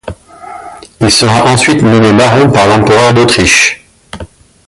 Il sera ensuite nommé baron par l’empereur d’Autriche.